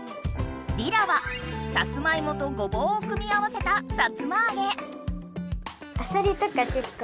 リラはさつまいもとごぼうを組み合わせたさつまあげ。